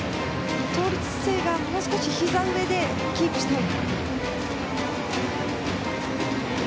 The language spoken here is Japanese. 倒立姿勢がもう少しひざ上でキープしたい。